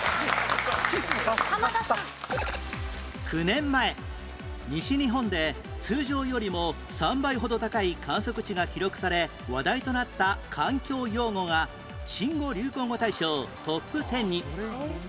９年前西日本で通常よりも３倍ほど高い観測値が記録され話題となった環境用語が新語・流行語大賞トップテンに